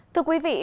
thưa quý vị